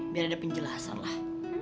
biar ada penjelasan lah